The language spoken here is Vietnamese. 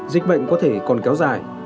dịch bệnh có thể còn kéo dài